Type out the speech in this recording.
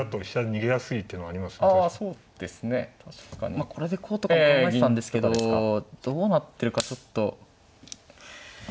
まあこれでこうとかも考えてたんですけどどうなってるかちょっと分かんないですね。